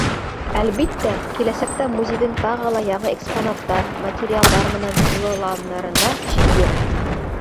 Әлбиттә, киләсәктә музейҙың тағы ла яңы экспонаттар, материалдар менән тулыланырына шик юҡ.